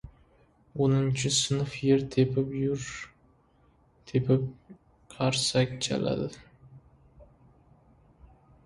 O‘ninchi sinf yer tepib-yer tepib qarsak chaladi.